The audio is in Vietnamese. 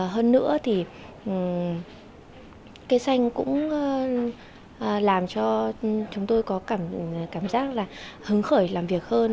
hơn nữa thì cây xanh cũng làm cho chúng tôi có cảm giác là hứng khởi làm việc hơn